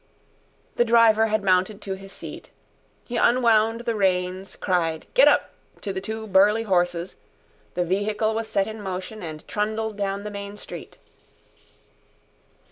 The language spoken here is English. The driver had mounted to his seat, he unwound the reins cried "Get up!" to the two burly horses, the vehicle was set in motion and trundled down the main street.